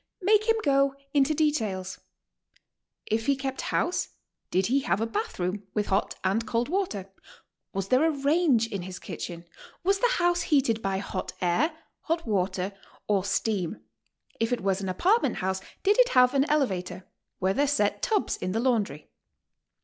Make him go into details. If he kept house, did he have a bath room, with hot and cold water? Was there a range in his kitchen? Was the house heated by hot air, hot water, or steam? If it was an apartment house, did it have an elevator? Were there set tubs in the laundry?